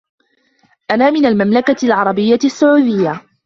أنا من المملكة العربية السعودية.